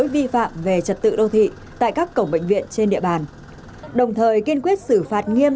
vi phạm về trật tự đô thị tại các cổng bệnh viện trên địa bàn đồng thời kiên quyết xử phạt nghiêm